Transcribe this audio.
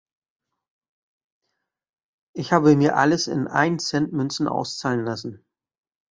Ich habe mir alles in Ein-Cent-Münzen auszahlen lassen.